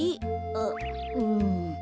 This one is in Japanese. あっうん。